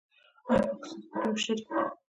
آیا پاکستان زموږ لوی شریک دی؟